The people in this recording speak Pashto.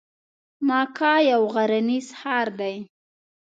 مکه یو غرنیز ښار دی.